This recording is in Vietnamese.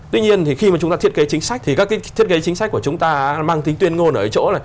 tuy nhiên khi chúng ta thiết kế chính sách thì các thiết kế chính sách của chúng ta mang tính tuyên ngôn ở chỗ là